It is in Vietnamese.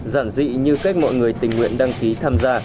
giản dị như cách mọi người tình nguyện đăng ký tham gia